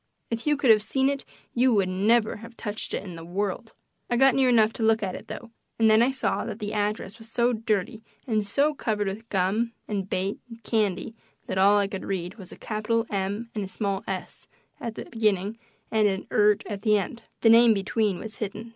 If you could have seen it you would never have touched it in the world. I got near enough to look at it, though, and then I saw that the address was so dirty and so covered with gum and bait and candy that all I could read was a capital "M" and a small "s" at the beginning and an "ert" at the end; the name between was hidden.